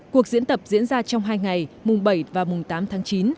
cuộc diễn tập diễn ra trong hai ngày mùng bảy và mùng tám tháng chín